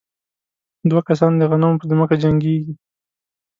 دوه کسان د غنمو په ځمکه جنګېږي.